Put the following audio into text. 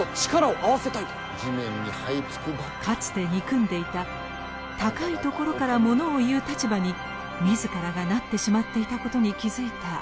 かつて憎んでいた高いところからものを言う立場に自らがなってしまっていたことに気付いた栄一は。